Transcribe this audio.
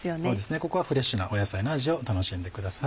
ここはフレッシュな野菜の味を楽しんでください。